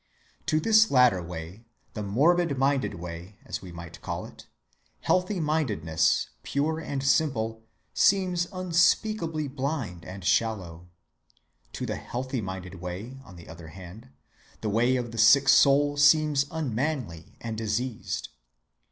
To this latter way, the morbid‐minded way, as we might call it, healthy‐mindedness pure and simple seems unspeakably blind and shallow. To the healthy‐minded way, on the other hand, the way of the sick soul seems unmanly and diseased.